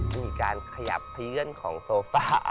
มีการขยับขยื่นของโซฟ่า